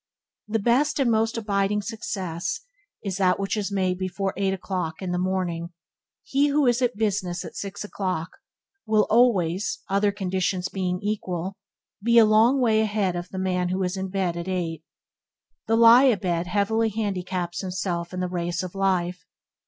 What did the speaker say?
The best and most abiding success is that which is made before eight o'clock in the morning. He who is at his business at six o'clock, will always other conditions being equal be a long way ahead of the man who is in bed at eight. The lie a bed heavily handicaps himself in the race of life.